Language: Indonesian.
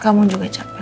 kamu juga capek